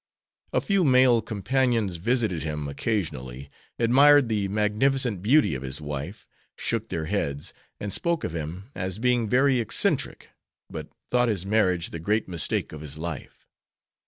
A few male companions visited him occasionally, admired the magnificent beauty of his wife, shook their heads, and spoke of him as being very eccentric, but thought his marriage the great mistake of his life.